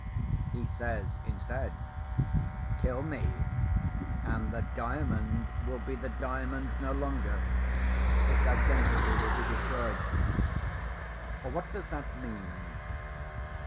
He says instead, 'Kill me—and the Diamond will be the Diamond no longer; its identity will be destroyed.' What does that mean?"